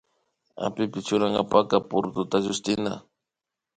Apipi churankapa purututa llushtina